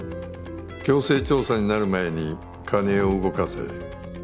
強制調査になる前に金を動かせ。